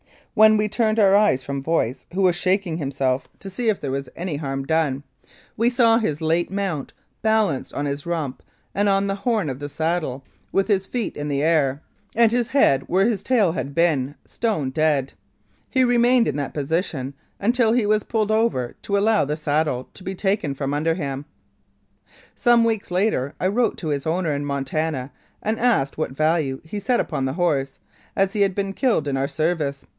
When we turned our eyes from Voice, who was shaking himself to see if there was any 162 Wholesale Cattle Smuggling harm done, we saw his late mount balanced on his rump and on the horn of the saddle, with his feet in the air, and his head where his tail had been, stone dead. He remained in that position until he was pulled over to allow the saddle to be taken from under him. Some weeks later I wrote to his owner in Montana, and asked what value he set upon the horse, as he had been killed in our service.